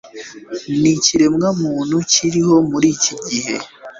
n’ikiremwa muntu kiriho muri iki gihe!